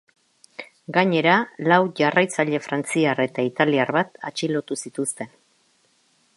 Gainera, lau jarraitzaile frantziar eta italiar bat atxilotu zituzten.